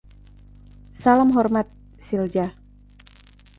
Salam hormat, Silja.